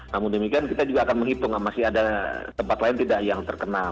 namun demikian kita juga akan menghitung masih ada tempat lain tidak yang terkena